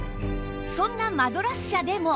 そんなマドラス社でも